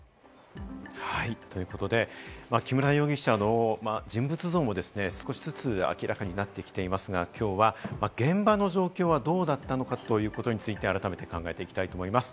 木村容疑者の人物像もですね、少しずつ明らかになってきていますが、今日は現場の状況はどうだったのかということについて改めて考えていきたいと思います。